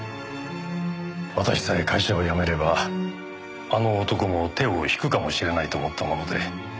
私さえ会社を辞めればあの男も手を引くかもしれないと思ったもので。